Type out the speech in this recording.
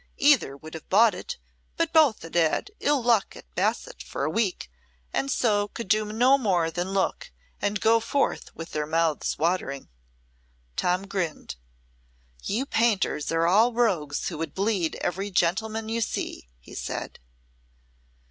Either would have bought it, but both had had ill luck at basset for a week and so could do no more than look, and go forth with their mouths watering." Tom grinned. "You painters are all rogues who would bleed every gentleman you see," he said.